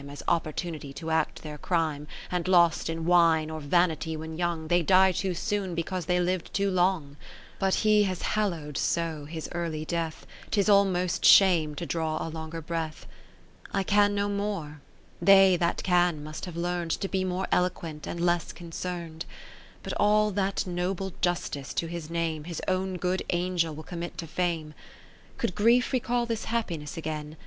As opportunity to act their crime, 60 And lost in wine or vanity when young, They die too soon, because they liv'd too long : But he has hallowed so his early death, 'Tis almost shame to draw a longer breath. I can no more, they that can must have learn'd To be more eloquent, and less concern'd. But all that noble justice to his name. His own good Angel will commit to Fame. Could grief recall this happiness again.